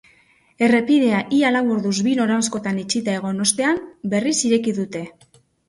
Errepidea ia lau orduz bi noranzkotan itxita egon ostean, berriz ireki dute.